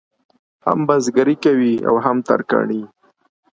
هم بزګري کوي او هم ترکاڼي.